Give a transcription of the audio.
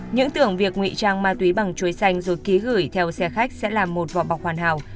những tưởng việc ngụy trang ma túy bằng chuối xanh rồi ký gửi theo xe khách sẽ là một vỏ bọc hoàn hảo